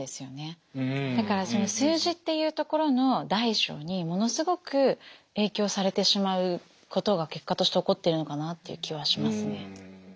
だからその数字っていうところの大小にものすごく影響されてしまうことが結果として起こってるのかなっていう気はしますね。